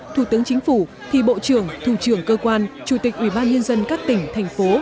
thủ tướng chính phủ thì bộ trưởng thủ trưởng cơ quan chủ tịch ubnd các tỉnh thành phố